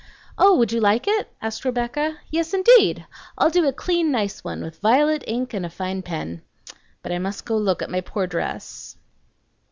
"Oh! would you like it?" asked Rebecca. "Yes indeed! I'll do a clean, nice one with violet ink and a fine pen. But I must go and look at my poor dress."